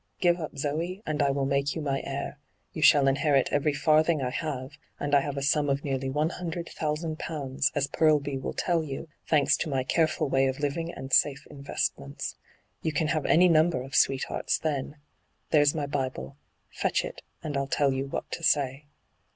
Give up Zoe, and I will make you my heir ; you shall inherit every farthing I have, and I have a sum of nearly £100,000, as Purlby will tell you, thanks to my carefiil way of living and safe investments. You can have any number of sweethearts then. There's my Bible. Fetch it, and I'U tell you what to say."